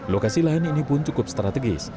lokasi lahan ini pun cukup strategis